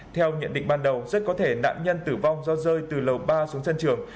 theo nhận định ban đầu rất có thể nạn nhân tử vong do rơi từ lầu ba xuống sân trường